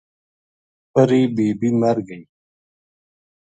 پری بی بی مر گئی